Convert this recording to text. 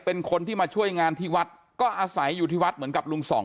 เป็นคนที่มาช่วยงานที่วัดก็อาศัยอยู่ที่วัดเหมือนกับลุงส่อง